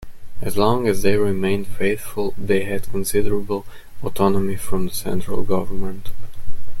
As long as they remained faithful, they had considerable autonomy from the central government.